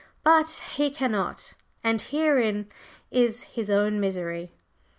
But he cannot, and herein is his own misery.